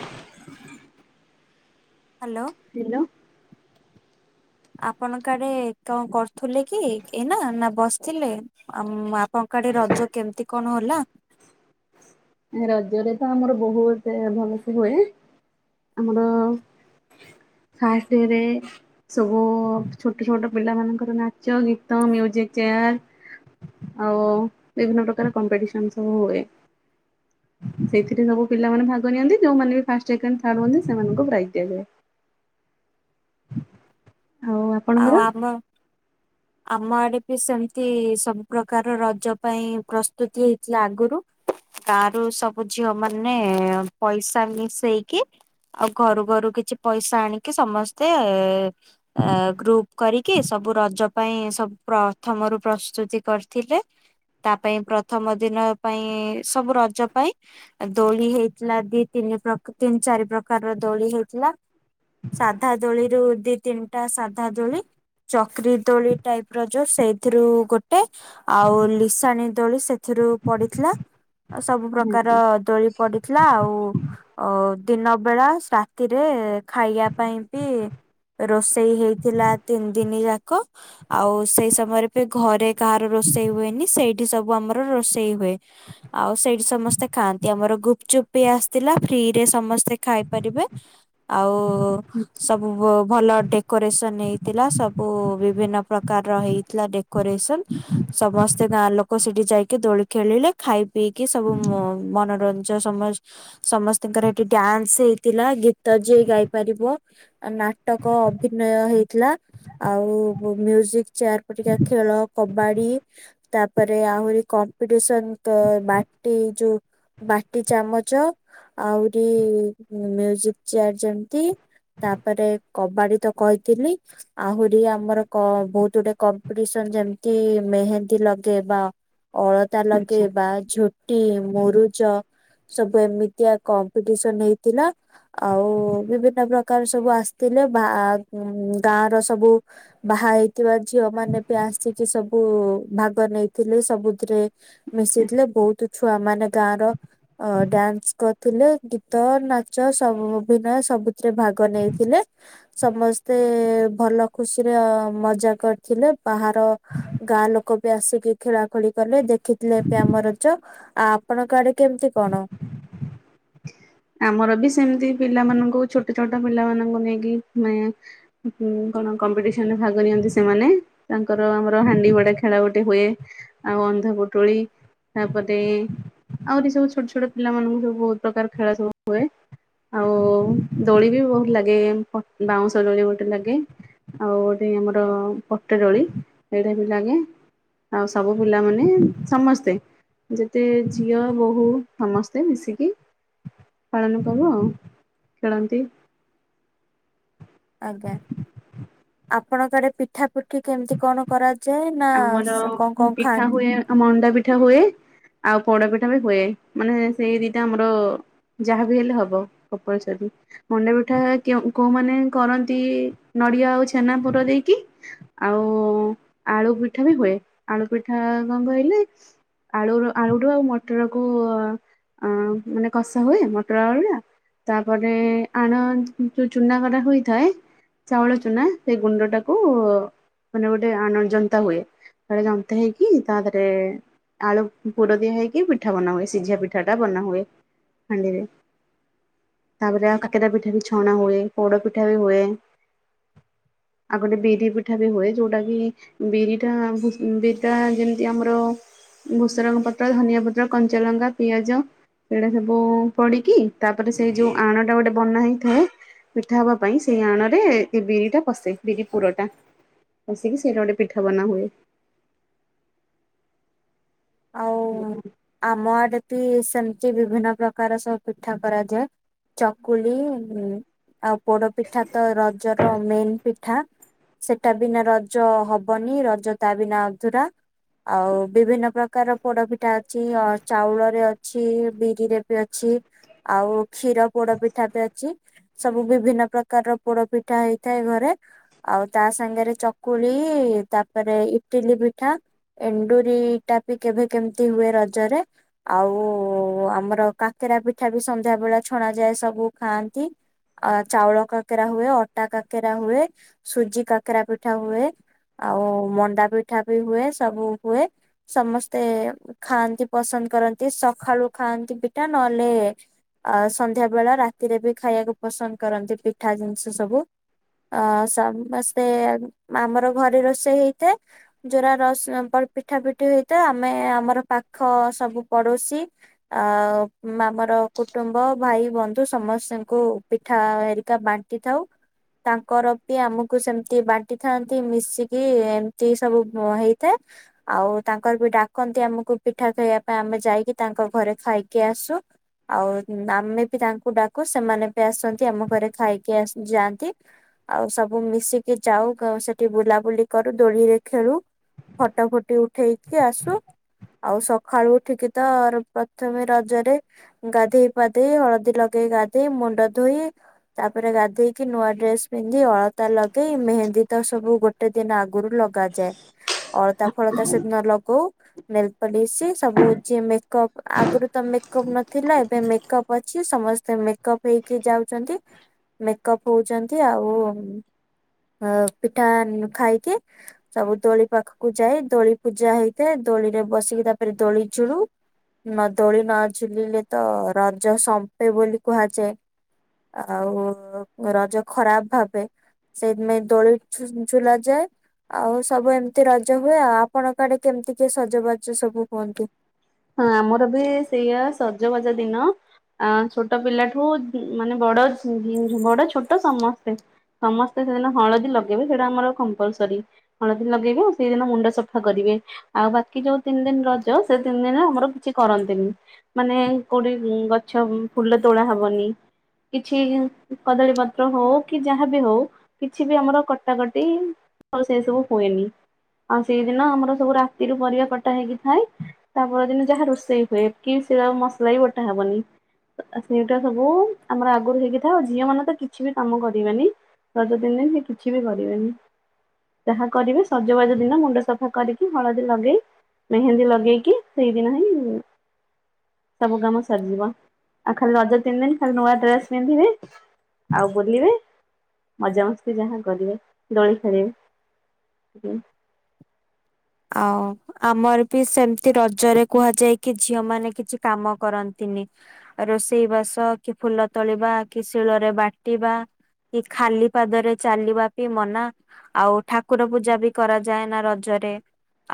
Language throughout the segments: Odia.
[unintelligible] ହ୍ୟାଲୋ। ହ୍ୟାଲୋ। [inaudible] ଆପଣ କାଡେ କଣ କରୁଥିଲେ କି ଏଇନା ନା ବସିଥିଲେ ଆ ଆପଣଙ୍କ କାଡେ ରଜ କେମିତି କଣ ହେଲା? ରଜରେ ତ ଆମର ବହୁତ ଭଲସେ ହୁଏ, ଆମର ଫାଷ୍ଟ ଇରେ ସବୁ ଛୋଟ ଛୋଟ ପିଲାମାନାନଙ୍କର ନାଚ ଗୀତ ମ୍ୟୁଜିକ ଚେୟାର ଆଉ ବିଭିନ୍ନ ପ୍ରକାର କମ୍ପିଟିସନ ସବୁ ହୁଏ। ସେଇଥିରେ ସବୁ ପିଲାମାନେ ଭାଗ ନିଅନ୍ତି ଯୋଉମାନେ ବି ଫାଷ୍ଟ ସେକେଣ୍ଡ ଥଡ ହୁଅନ୍ତି ସେମାନଙ୍କୁ ପ୍ରାଇଜ ଦିଆଯାଏ। ହଁ। ଆଉ ଆମ ଆମ ଆଡେ ବି ସେମିତି ସବୁ ପ୍ରକାର ରଜ ପାଇଁ ପ୍ରସ୍ତୁତି ହେଇଥିଲା ଆଗରୁ ଗାଁ ର ସବୁ ଝିଅ ମାନେ ପଇସା ମିଶେଇକି ଆଉ ଘରୁ ଘରୁ କିଛି ପଇସା ଆଣିକି ସମସ୍ତେ ଅ [inaudible] ଗ୍ରୁପ କରିକି ସବୁ ରଜ ପାଇଁ ସବୁ ପ୍ରଥମରୁ ପ୍ରସ୍ତୁତି କରିଥିଲେ ତା ପାଇଁ ପ୍ରଥମ ଦିନ ପାଇଁ ସବୁ ରଜ ପାଇଁ ଦୋଳି ହେଇଥିଲା ଦି ତିନି ପ୍ର ତିନି ଚାରି ପ୍ରକାର ର ଦୋଳି ହେଇଥିଲା ସାଧା ଦୋଳିରୁୁ ଦି ତିନିଟା ଦୋଳି ଚକ୍ରି ଦୋଳି ଟାଇପର ଯୋଉ ସେଇଥିରୁ ଗୋଟେ ଆଉ ଲିସାଣିୀ ଦୋଳି ସେଥିରୁ ପଡିଥିଲା। ସବୁ ପ୍ରକାର ଆଚ୍ଛା ଦୋଳି ପଡିଥିଲା ଆଉ ଅ ଦିନ ବେଳା ରାତିରେ ଖାଇବା ପାଇଁ ବି ରୋଷେଇ ହେଇ ଥିଲା ତିନି ଦିନ ଯାକ ଆଉ ସେଇ ସମୟରେ ବି ଘରେ କାହାର ରୋଷେଇ ହୁଏନି ସେଇଠି ସବୁ ଆମର ରୋଷେଇ ହୁଏ, ଆଉ ସେଇଠି ସମସ୍ତେ ଖାଆନ୍ତି ଆମର ଗୁପଚୁପ ବି ଆସିଥିଲା ଫ୍ରିରେ ସମସ୍ତେ ଖାଇପାରିବେ ଆଉ ଆଚ୍ଛା ସବୁ ଭଲ ଡେକୋ [unintelligible] ନେଇଥିଲାସବୁ ବିଭିନ୍ନ ପ୍ରକାରର ହେଇଥିଲା ଡେକୋରେସନ ସମସ୍ତେ ଗାଁ ଲୋକ ସେଠି ଯାଇକି ଦୋଳି ଖେଳିଲେ ଖାଇ ପିଇକି ସବୁ ମନୋରଞ୍ଜନ ସମସ୍ତଙ୍କର ସେଠି ଡ୍ୟାନ୍ସ ହେଇଥିଲା ଗୀତ ଯ ଗାଇ ପାରିବ ନାଟକ ଅଭିନୟ ହେଇଥିଲା ଆଉ ମୁଜିକ ଚେୟାର ପରିକା ଖେଳ କବାଡି ତାପରେ ଆହୁରି କମ୍ପିଟିସନ ବାଟି ଯୋଉ ବାଟି ଚାମଚ ଆହୁରି ମୁଜିକ ଚେୟାର ଯେମିତି ତାପରେ କବାଡି ତ କହିଥିଲି। ଆହୁରି ଆମର ବୋହୁତ ଗୁଡେ କମ୍ପିଟିସନ ଯେମିତି ମେହେନ୍ଦୀ ଲଗେଇବା, ଅଳତା ଆଚ୍ଛା ଲଗେଇବା, ଝୋଟି ମୁରୁଜ ସବୁ ଏମିତିଆ କମ୍ପିଟିସନ ହେଇଥିଲା ଆଉ ବିଭିନ୍ନ ପ୍ରକାର ସବୁ ଆସିଥିଲେ ବା ଉଁ ଗାଁ ର ସବୁ ବାହାହେଇ ଥିବା ଝିଅ ମାନେ ବି ଆସିକି ସବୁ ଭାଗ ନେଇଥିଲେ ସବୁଥିରେ। ଆଚ୍ଛା। ମିଶିଥିଲେ ବୋହୁତ ଛୁଆ ମାନେ ଗାଁର ଅ ଡ୍ୟାନ୍ସ କ ଥିଲେ ଗୀତ ନାଚ ସବୁ ଅଭିନୟ ସବୁ ଭାଗ ନେଇଥିଲେ ସମସ୍ତ ମତେ ଭଲ ଖୁସିରେ ମଜା କରିଥିଲେ ବାହାର ଗାଁ ଲୋକ ବି ଆସିକି ଖେଳାଖେଳି କଲେ ଦେଖିଥିଲେ ଏବେ ଆମ ରଜ ଆ ଆପଣଙ୍କ ଆଡେ କେମିତି କଣ? ଆମର ବି ସେମତି ପିଲାମାନଙ୍କୁ ଛୋଟ ଛୋଟ ପିଲାମାନଙ୍କୁ ନେଇକି ମାନେ କଣ କମ୍ପିଟିସନରେ ଭାଗ ନିଅନ୍ତି ସେମାନେ ତାଙ୍କର ଆମର ହାଣ୍ଡି ଭଡା ଖେଳ ଗୋଟେ ହୁଏ, ଆଉ ଅନ୍ଧ ପୋଟୁଳି ତାପରେ ଆହୁରି ସବୁ ଛୋଟ ଛୋଟ ପିଲାମାନଙ୍କୁ ସବୁ ବୋହୁତ ପ୍ରକାର ଖେଳ ସବୁ ହୁଏ, ଆଉ ଦୋଳି ବି ବୋହୁତ ଲାଗେ। ବାଉଁଶ ଦୋଳି ଗୋଟେ ଲାଗେ ଆଉ ଗୋଟେ ଆମର ପଟଡୋଳି ଏଇଟା ବି ଲାଗେ ଆଉ ସବୁ ପିଲାମାନେ ସମସ୍ତେ ଯେତେ ଝିଅ ବୋହୂ ସମସ୍ତେ ମିଶିକି ଖେଳନ ସବୁ ଆଉ ଖେଳନ୍ତି। [inaudible] ଆଜ୍ଞା ଆପଣଙ୍କଡେ ପିଠା ପିଠି କେମିତି କଣ କରା ଆମର ପିଠା ହୁଏ ମଣ୍ଡା ପିଠା ହୁଏ। ଆଉ ପୋଡ ପିଠା ବି ହୁଏ, ମାନେ ସେଇ ଦିଟା ଆମର ଯାହା ବି ହେଲେ ହବ, କପଳ ବ ମଣ୍ଡା ପିଠା କୋଉମାନୋନ କରନ୍ତି ନଡିଆ ଆଉ ଛେନା ପୁର ଦେଇକି ଆଉ ଆଳୁ ପିଠା ବି ହୁଏ, ଆଳୁ ପିଠା କଣ କହିଲେ ଆଳୁ ଆଳୁରୁୁ ଆଉ ମଟରକୁ ମାନେ କଷା ହୁଏ, ମଟର ଆଳୁଟା ତାପରେ ଆଣ ଯୋଉ ଚୁନା କରା ହୋଇଥାଏ ଚାଉଳ ଚୁନା ସେ ଗୁଣ୍ଡ ଟାକୁ ମାନେ ଗୋଟେ ଆଣ ଜନ୍ତା ହୁଏ, ଜନ୍ତା ହେଇକି ତା ଦେହରେ ଆଳୁ ପୁର ଦିଆ ହେଇକି ପିଠା ବନା ହୁଏ ସିଝିଆ ପିଠା ଟା ବନା ହୁଏ, ହାଣ୍ଡିରେ ତାପରେ କାକେରା ପିଠା ବି ଛଣା ହୁଏ ପୋଡ ପିଠା ବି ହୁଏ ଆଉ ଗୋଟେ ବିରି ପିଠା ବି ହୁଏ ଯୋଉଟା କି ବିରିଟା ଭୁ ବିରିଟା ଯେମିତି ଆମର ଭୁସରଙ୍ଗ ପତ୍ର ଧନିଆ ପତ୍ର କଞ୍ଚାଲଙ୍କା ପିଆଜ ସେଇଟା ସବୁ ପଡିକି ତାପରେ ସେଇ ଯୋଉ ଆଣଟା ଗୋଟେ ବନା ହେଇଥାଏ। ମିଠା ହେବା ପାଇଁ ସେଇ ଆଣରେ ଏ ଏ ବିରିଟା ପଷେ। ବିରି ପୁରଟା ପଷିକି ସେଇଟା ଗୋଟେ ପି ଠା ବନା ହୁଏ। ଆଉ ଆମ ଆଡେ ବି ସେମିତି ବିଭିନ୍ନ ପ୍ରକାର ସବୁ ପିଠା କରାଯାଏ। ଚକୁଳି ଆଉ ପୋଡ ପିଠା ତ ରଜର ମେନ୍ ପିଠା ସେଟା ବିନା ରଜ ହବନି ରଜ ତା ବିନା ଅଧୁରା ଆଉ ବିଭିନ୍ନ ପ୍ର କାର ପୋଡ ପିଠା ଅଛି ଚାଉଳରେ ଅଛି ବିରିରେ ବି ଅଛି ଆଉ କ୍ଷୀର ପୋଡ ପିଠା ବି ଅଛି। ସବୁ ବିଭିନ୍ନ ପ୍ରକାରର ପୋଡ ପିଠା ହେଇଥାଏ ଘରେ ଆଉ ତା ସାଙ୍ଗରେ ଚକୁଳି ତାପରେ ଇଟିଲି ପିଠା ଏଣ୍ଡୁରିଟା ବି କେବେ କେମିତି ହୁଏ। ରଜରେ ଆଉ ଆମର କାକେରା ପିଠା ବି ସନ୍ଧ୍ୟା ବେଳେ ଛଣା ଯାଏ ସବୁ ଖାଆନ୍ତି ଆ ଚାଉଳ କାକେରା ହୁଏ। ଅଟା କାକେରା ହୁଏ। ସୁଜି କାକେରା ପିଠା ହୁଏ। ଆଉ ମଣ୍ଡା ପିଠା ବି ହୁଏ ସବୁ ହୁଏ। ସମସ୍ତେ ଖାଆନ୍ତି ପସନ୍ଦ କରନ୍ତି। ସକାଳୁ ଖାଆନ୍ତି ପିଠା ନହେଲେ ଅ ସନ୍ଧ୍ୟା ବେଳା ରାତିରେ ବି ଖାଇବାକୁ ପସନ୍ଦ କରନ୍ତି ପିଠା ଜିନିଷ ସବୁ। ଅ ସମସ୍ତେ ଆମ ଆମର ଘରେ ରୋଷେଇ ହେଇଥାଏ। ଯୋଉରା ରସୁଣ ପ ପିଠା ପି ଠା ଆମେ ଆମର ପାଖ ସବୁ ପଡୋଶୀ ଆଉ ଆମର କୁଟୁମ୍ବ ଭାଇ ବନ୍ଧୁ ସମସ୍ତଙ୍କୁ ପିଠା ହେରିକା ବାଣ୍ଟି ଥାଉ ତାଙ୍କର ବି ଆମକୁ ସେମତି ବାଣ୍ଟିଥାନ୍ତି ମିଶିକି ଏମିତି ସବୁ ହେଇଥାଏ। ଆଉ ତାଙ୍କର ବି ଡାକନ୍ତି ଆମକୁ ପିଠା ଖାଇବା ପାଇଁ ଆମେ ଯାଇକି ତାଙ୍କ ଘରେ ଖାଇକି ଆସୁ। ଆଉ ଆମେ ବି ତାଙ୍କୁ ଡାକୁ ସେମାନେ ବି ଆସନ୍ତି। ଆମ ଘରେ ଖାଇକି ଯାଆନ୍ତି ଆଉ ସବୁ ମିଶିକି ଯାଉ ସେଠି ବୁଲାବୁଲି କରୁ ଦୋଳିରେ ଖେଳୁ। ଫଟ ଫୁଟି ଉଠେଇ ଆଉ ସକାଳୁ ଉଠିକି ତ ପ୍ରଥମେ ରଜରେ ଗାଧେଇ ପାଧେଇ ହଳଦୀ ଲଗେଇ ଗା ଧେଇ ମୁଣ୍ଡ ଧୋଇ ତାପରେ ଗାଧେଇକି ନୂଆ ଡ୍ରେସ ପିନ୍ଧି ଅଳତା ଲଗେଇ ମେହେନ୍ଦୀ ତ ସବୁ ଗୋଟେ ଦିନ ଆଗରୁ ଲଗାଯାଏ। ଅଳତା ଫଳତା ସେ କୁ ନେଲପୋଲିସ [unintelligible] ପ୍ ଆଗରୁ ତ ମେକଅପ୍ ନଥିଲା ଏବେ ମେକଅପ୍ ଅଛି ସମ- ସେ ମେକଅପ୍ ହେଇକି ଯାଉଛନ୍ତି ମେକଅପ ହଉଛନ୍ତି ଆଉ ପିଠା ଖାଇକି ସବୁ ଦୋଳି ପାଖକୁ ଯାଇ ଦୋଳି ପୂଜା ହେଇଥାଏ ଦୋଳିରେ ବସିକି ତାପରେ ଦୋଳି ଝୁଲୁ। ଦୋଳି ନ ଝୁଲିଲେ ତ ରଜ ସମ୍ପେ ବୋଲି କୁହାଯାଏ। ଆଉ ରଜ ଖରାପ ଭାବେ ସେଥିପାଇଁ ଦୋଳି ଝୁ-ଝୁଲା ଯାଏ ଆଉ ସବୁ ଏମିତି ରଜ ହୁଏ ଆଉ। ଆପଣ ଆଡେ କେମିତି କିଏ ସଜବାଜ ସବୁ ହୁହନ୍ତି? ହଁ ଆମର ବି ସେଇଆ ସଜବାଜା ଦିନ ଛୋଟ ପିଲାଠୁ ମାନେ ବଡ ବଡ ଛୋଟ ସମସ୍ତେ ସମସ୍ତେ ସେଦିନ ହଳଦୀ ଲଗେଇବେ ସେଟା ଆମର କମ୍ପଲସରୀ ହଳଦୀ ଲଗେଇବେ ଆଉ ସେଇଦିନ ମୁଣ୍ଡ ସଫା କରିବେ ଆଉ ବାକି ଯୋଉ ତିନି ଦିନ ରଜ ସେ ତିନ ଦିନ ଆମର କିଛି କରନ୍ତିନି ମାନେ କୋଉଠି ଗଛ ଫୁଲ ତୋଳା ହବନି। କିଛି କଦଳୀ ପତ୍ର ହୋଉ କି ଯାହାବି ହୋଉ କିଛି ବି ଆମର କଟାକଟି ସେ ସବୁ ହୁଏନି ଆଉ ସେଇଦିନ ଆମର ସବୁ ରାତିରୁ ପରିବା କଟା ହେଇକି ଥାଏ। ତା ପରଦିନ ଯାହା ରୋଷେଇ ହୁଏ କି ସେଟା ମସଲା ବି ବୋଟା ହବନି ସେଇଟା ସବୁ ଆମର ଆଗରୁ ହେଇକି ଥାଏ ଆଉ ଝିଅ ମାନେ ତ କିଛି ବି କାମ କରିବେନି ରଜ ତିନି ଦିନ ସେ କିଛି ବି କରିବେନି ଯାହା କରିବେ ସଜବାଜ ଦିନ ମୁଣ୍ଡ ସଫା କରିକି ହଳଦୀ ଲଗେଇ ମେହେନ୍ଦୀ ଲଗେଇକି- ସେଇଦିନ ହିଁ ସବୁ କାମ ସରିଯିବ ଆଉ ଖାଲି ରଜ ତିନି ଦିନ ଖାଲି ନୂଆ ଡ୍ରେସ୍ ପିନ୍ଧିବେ ଆଉ ବୁଲିବେ ମଜା ମସ୍ତି ଯାହା କରିବେ ଦୋଳି ଖେଳିବେ। ଆଉ ଆମର ବି ସେମିତି ରଜରେ କୁହାଯାଏ କି ଝିଅ ମାନେ କିଛି କାମ କରନ୍ତିନି ରୋଷେଇ ବାସ କି ଫୁଲ ତୋଳିବା କି ଶିଳରେ ବାଟିବା କି ଖାଲି ପାଦରେ ଚାଲିବା ବି ମନା ଆଉ ଠାକୁର ପୂଜା ବି କରାଯାଏ ନା ରଜରେ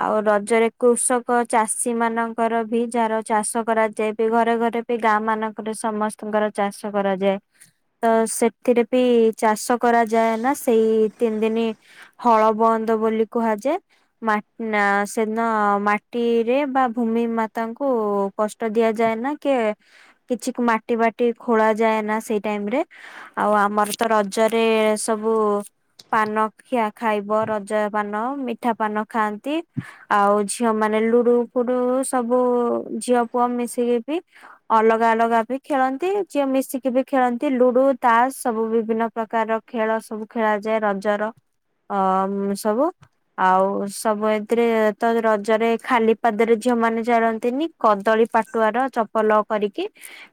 ଆଉ ରଜରେ କୃଷକ ଚାଷୀ ମାନଙ୍କର ବି ଯାହାର ଚାଷ କରାଯାଏ ବି ଘରେ ଘରେ ବି ଗାଁ ମାନଙ୍କରେ ସମସ୍ତଙ୍କର ଚାଷ କରାଯାଏ ତ ସେଥିରେ ବି ଚାଷ କରାଯାଏ ନା ସେଇ ତିନି ଦିନି ହଳ ବନ୍ଦ ବୋଲି କୁହାଯାଏ ନା ସେଦିନ ମାଟିରେ ବା ଭୂମି ମାତାଙ୍କୁ କଷ୍ଟ ଦିଆଯାଏନା କି କିଛି ମାଟି ବାଟି ଖୋଳା ଯାଏନା ସେଇ ଟାଇମ୍ ରେ ଆଉ ଆମର ତ ରଜରେ ସବୁ ପାନ ଖିଆ ଖାଇବ ରଜ ପାନ ମିଠା ପାନ ଖାଆ- ତି ଆଉ ଝିଅ ମାନେ ଲୁଡୁ ଫୁଡୁ ସବୁ ଝିଅ ପୁଅ ମିଶିକି ବି ଅଲଗା ଅଲଗା ବି ଖେଳନ୍ତି ଝିଅ ମିଶିକି ବି ଖେଳନ୍ତି ଲୁଡୁ ତାସ ସବୁ ବିଭିନ୍ନ ପ୍ରକାରର ଖେଳ ସବୁ ଖେଳାଯାଏ ରଜର ଅ ସବୁ ଆଉ ସବୁ ଏଥିରେ ତ ରଜରେ ଖାଲି ପାଦରେ ଝିଅ ମାନେ ଚାଲନ୍ତିନି କଦଳୀ ପାଟୁଆର ଚପଲ କରିକି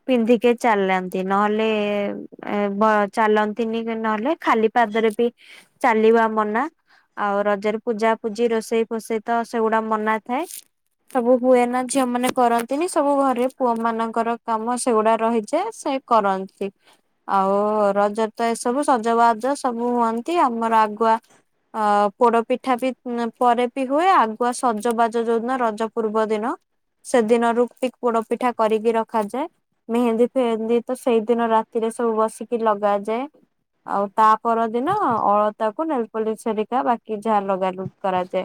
ପିନ୍ଧିକି ଚାଲନ୍ତି ନହେଲେ ବ ଚାଲନ୍ତିନି କି ନହେଲେ ଖାଲି ପାଦରେ ବି ଚାଲିବା ମନା ଆଉ ରଜରେ ପୂଜା ପୂଜି ରୋଷେଇ ସ- ରୋଷେଇ ପୋଷେଇ ତ ସେଗୁଡା ମନା ଥାଏ ସବୁ ହୁଏ ନା ଝିଅ ମାନେ କରନ୍ତିନି ସବୁ ଘରେ ପୁଅ ମାନଙ୍କର କାମ ସେଗୁଡା ରହିଯାଏ ସେ କରନ୍ତି ଆଉ ରଜ ତ ଏସବୁ ସଜବାଜ ସବୁ ହୁଅନ୍ତି ଆମର ଆଗୁଆ ଅ ପୋଡ ପିଠା ବି- ପରେ ବି ହୁଏ ଆଗୁଆ ସଜବାଜ ଯୋଉ ଦିନ ରଜ ପୂର୍ବ ଦିନ ସେଦିନରୁ ବି ପୋଡ ପିଠା କରିକି ରଖାଯାଏ ମେହେନ୍ଦୀ ଫେହେନ୍ଦି ତ ସେଇଦିନ ରାତିରେ ସବୁ ବସିକି ଲଗାଯାଏ ଆଉ ତା ପର ଦିନ ଅଳତାକୁ ନେଲ୍- ପୋଲିସ୍ ହେରିକା ବାକି ଯାହା ଲଗାଲୁ- କରାଯାଏ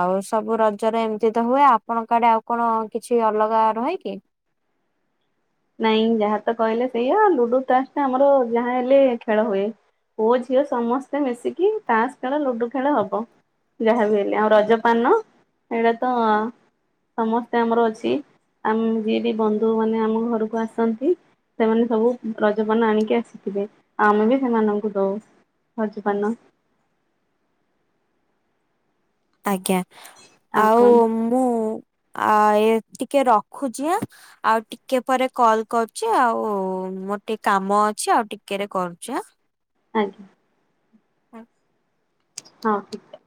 ଆଉ ସବୁ ରଜରେ ଏମିତି ତ ହୁଏ ଆପଣଙ୍କ ଆଡେ ଆଉ କଣ କିଛି ଅଲଗା ରହେ କି? ନାଇଁ ଯାହା ତ କହିଲେ ସେଇଆ ଲୁଡୁ ତାସ ଟା ଆମର ଯାହା ହେଲେ ଖେଳ ହୁଏ ପୁଅ ଝିଅ ସମସ୍ତେ ମିଶିକି ତାସ ଖେଳ ଲୁଡୁ ଖେଳ ହବ ଯାହା ବି ହେଲେ ଆଉ ରଜପାନ ହେଇଟା ତ ସମସ୍ତେ ଆମର ଅଛି ଆମ ଯିଏ ବି ବନ୍ଧୁ ମାନେ ଆମ ଘରକୁ- ଆସନ୍ତି ସେମାନେ ସବୁ ରଜପାନ ଆଣିକି ଆସିଥିବେ ଆଉ ଆମେ ବି ସେମାନଙ୍କୁ ଦଉ ରଜପାନ ଆଜ୍ଞା ଆଉ ମୁଁ- ଆ ଏ ଟିକେ ରଖୁଛି ଆଁ ଆଉ ଟିକେ ପରେ କଲ କରୁଛି ଆଉ ମୋର ଟିକେ କାମ ଅଛି ଆଉ ଟିକେରେ କରୁଛି ଆଁ ଆଜ୍ଞା ହୁଁ ହଁ